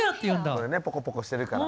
これねポコポコしてるから。